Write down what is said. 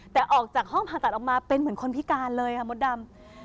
แต่ออกจากห้องผ่าตัดออกมาเป็นเหมือนคนพิการเลยค่ะมดดำ